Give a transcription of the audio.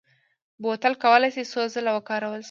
بوتل کولای شي څو ځله وکارول شي.